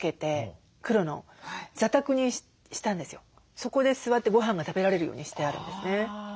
そこで座ってごはんが食べられるようにしてあるんですね。